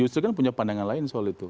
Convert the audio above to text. justru kan punya pandangan lain soal itu